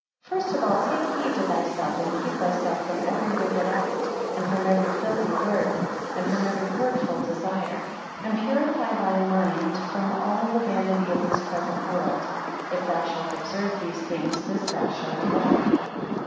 29 First of all, take heed to thyself, and keep thyself from every wicked act, and from every filthy word, and from every hurtful desire; and purify thy mind from all the vanity of this present world. If thou shalt observe these things, this fast shall be right.